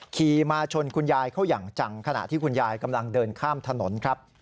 ขี่มาชนคุณยายเขาอย่างจังขณะที่คุณยายกำลังเดินข้ามถนนครับ